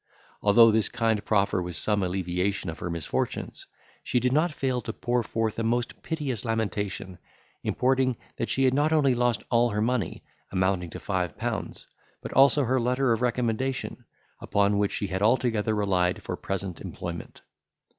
Although this kind proffer was some alleviation of her misfortunes, she did not fail to pour forth a most piteous lamentation, importing that she had not only lost all her money, amounting to five pounds, but also her letter of recommendation, upon which she had altogether relied for present employment.